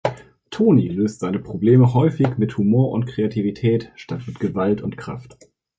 Tony löst seine Probleme häufig mit Humor und Kreativität statt mit Gewalt und Kraft.